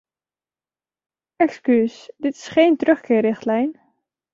Excuus, dit is geen terugkeerrichtlijn.